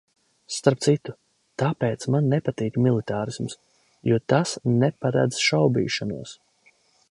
Starp citu, tāpēc man nepatīk militārisms, jo tas neparedz šaubīšanos.